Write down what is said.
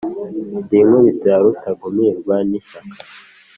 Ndi inkubito ya Rutagumirwa n’ ishyaka